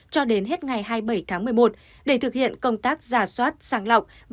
cho đến hết ngày hai mươi bảy tháng một mươi một để thực hiện công tác giả soát sàng lọc